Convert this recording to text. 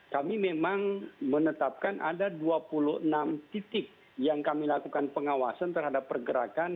kami memang menetapkan ada dua puluh enam titik yang kami lakukan pengawasan terhadap pergerakan